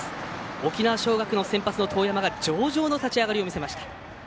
沖縄尚学の先発の當山が上々の立ち上がりを見せました。